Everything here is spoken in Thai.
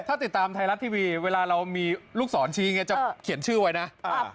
ถ้าติดตามไทยรัฐทีวีเวลาเรามีลูกศรชี้อย่างนี้จะเขียนชื่อไว้นะ